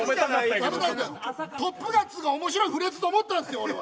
トップガン２が面白いフレーズだと思ったんですよ。